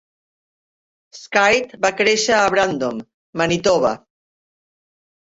Skid va créixer a Brandon, Manitoba.